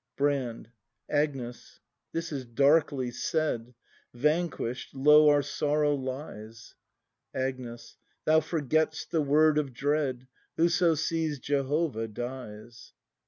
Brand. Agnes, this is darkly said; — Vanquish'd, lo, our sorrow lies! Agnes. Thou forget'st the word of dread: Whoso sees Jehovah dies!